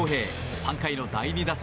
３回の第２打席。